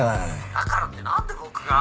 だからって何で僕が！